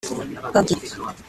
Rwabugiri